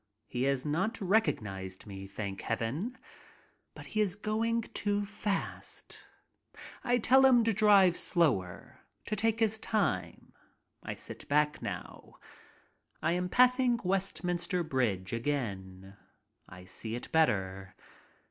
He has not recognized me, thank heaven! But he is going too fast. I tell him to drive slower, to take his time. I sit back now. I am passing Westminster Bridge again. I see it better.